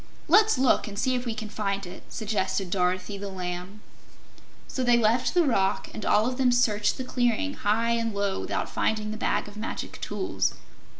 "Let's look and see if we can find it," suggested Dorothy the Lamb. So they left the rock, and all of them searched the clearing high and low without finding the Bag of Magic Tools.